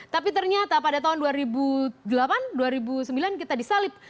tapi ternyata pada tahun dua ribu delapan dua ribu sembilan kita disalib